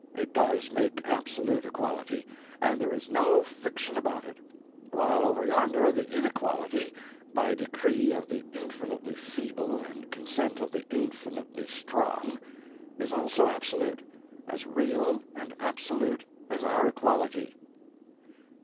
It does make absolute equality, and there is no fiction about it; while over yonder the inequality, (by decree of the infinitely feeble, and consent of the infinitely strong,) is also absolute—as real and absolute as our equality."